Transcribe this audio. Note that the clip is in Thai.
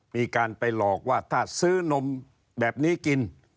มีการไปหลอกว่าถ้าซื้อนมแบบนี้กิน